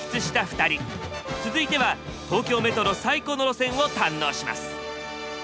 続いては東京メトロ最古の路線を堪能します！